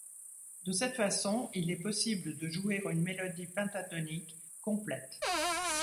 De cette façon, il est possible de jouer une mélodie pentatonique complète.